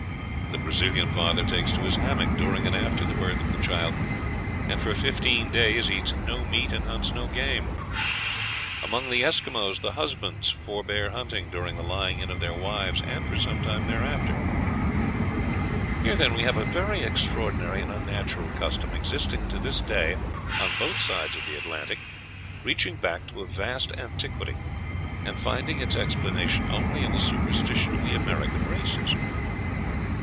The Brazilian father takes to his hammock during and after the birth of the child, and for fifteen days eats no meat and hunts no game. Among the Esquimaux the husbands forbear hunting during the lying in of their wives and for some time thereafter. Here, then, we have a very extraordinary and unnatural custom, existing to this day on both sides of the Atlantic, reaching back to a vast antiquity, and finding its explanation only in the superstition of the American races.